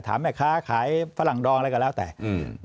ถามแม่ค้าขายฝรั่งดองอะไรก็แล้วแต่อืม